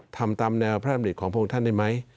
ทำตามแนวพระรำดิษฐ์ของพวกท่านได้ไหม